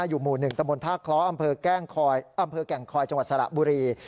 อยู่หมู่๑ตะบนท่าคล้ออำเภอแกล้งคอยจังหวัดสระบุรี